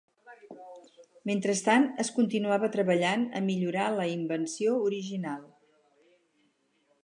Mentrestant, es continuava treballant a millorar la invenció original.